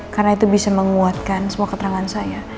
karena itu bisa menguatkan semua keterangan saya